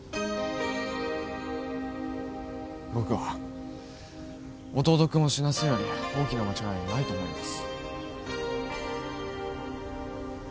僕は弟君を死なすより大きな間違いはないと思います